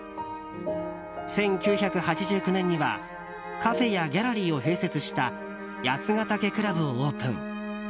１９８９年にはカフェやギャラリーを併設した八ヶ岳倶楽部をオープン。